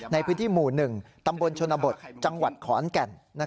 ในพื้นที่หมู่๑ตำบลชนบทจังหวัดขอนแก่น